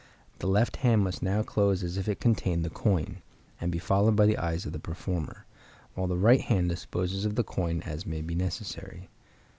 The left hand must now close as if it contained the coin, and be followed by the eyes of the performer, while the right hand disposes of the coin as may be necessary.